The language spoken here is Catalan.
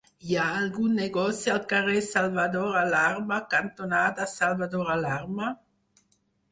Hi ha algun negoci al carrer Salvador Alarma cantonada Salvador Alarma?